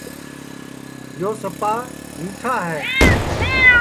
یو سپا مِیٹھا ہے